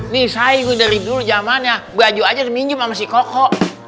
nih saya gue dari dulu jamannya baju aja diminjum sama si koko